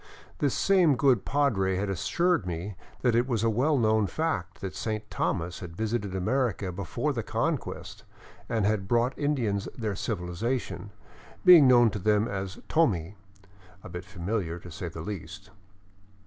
This same good padre had assured me that it was a well known fact that Saint Thomas had visited America before the Conquest and had brought the Indians their civil ization, being known to them as " Tomi "— a bit familiar, to say the least.